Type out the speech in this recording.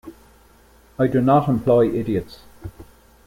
I do not employ idiots.